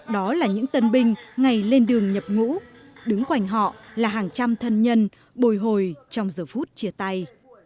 đó là những tân binh ngày lên đường nhập ngũ đứng quanh họ là hàng trăm thân nhân bồi hồi trong giờ phút chia tay